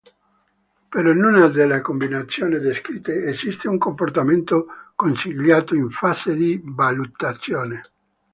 Per ognuna delle combinazioni descritte esiste un comportamento consigliato in fase di valutazione.